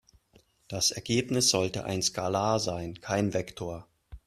Das Ergebnis sollte ein Skalar sein, kein Vektor.